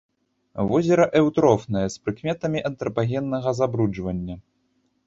Возера эўтрофнае з прыкметамі антрапагеннага забруджвання.